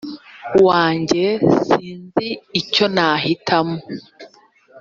wanjye sinzi icyo nahitamo